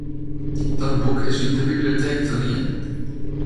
Dat boek is yn de biblioteek te lien.